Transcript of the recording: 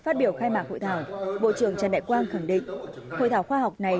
trần đại quang khẳng định hội thảo khoa học này